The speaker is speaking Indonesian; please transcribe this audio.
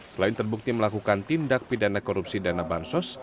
selain terbukti melakukan tindak pidana korupsi dana bansos